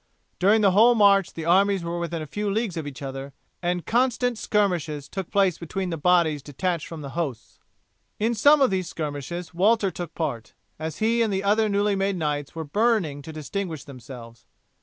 During the whole march the armies were within a few leagues of each other, and constant skirmishes took place between bodies detached from the hosts. In some of these skirmishes Walter took part, as he and the other newly made knights were burning to distinguish themselves.